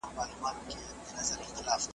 زه همزولې د ښکلایم، زه له میني د سبحان یم .